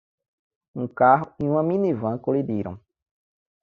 Um carro e uma minivan colidiram.